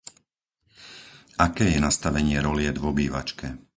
Aké je nastavenie roliet v obývačke?